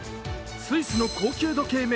スイスの高級時計